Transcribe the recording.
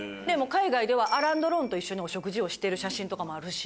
海外ではアラン・ドロンと一緒にお食事をしてる写真とかもあるし。